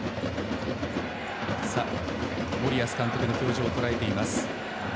森保監督の表情をとらえています。